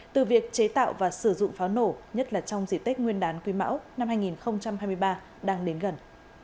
từ việc chế tạo và sử dụng pháo nổ nhất là trong dịp tết nguyên đán quý mão năm hai nghìn hai mươi ba đang đến gần